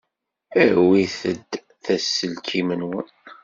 Awit-d aselkim-nwen.